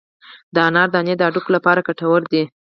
د انار دانې د هډوکو لپاره ګټورې دي.